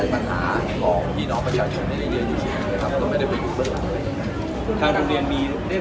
คุณภาพโรงเรียนคุณภาพการมทุกอย่างทั้งนี้เป็นเรื่องการเมืองแต้งสิ้น